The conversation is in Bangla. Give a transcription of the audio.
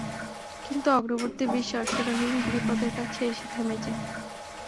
কিন্তু অগ্রবর্তী বিশ অশ্বারোহী গিরিপথের কাছে এসে থেমে যায়।